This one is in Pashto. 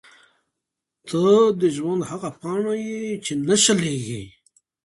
• ته د ژوند هغه پاڼه یې چې نه شلېږي.